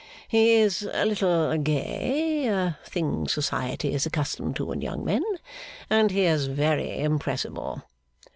He is a little gay, a thing Society is accustomed to in young men, and he is very impressible.